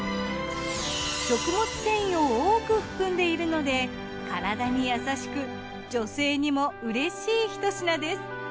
食物繊維を多く含んでいるので体にやさしく女性にもうれしい一品です。